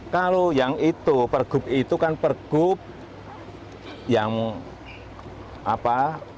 kalau yang itu pergub itu kan pergub yang apa